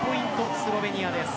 スロベニアです。